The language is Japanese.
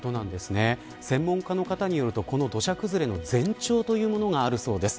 専門家の方によると土砂崩れの前兆というものがあるそうです。